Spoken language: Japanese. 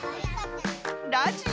ラジオ。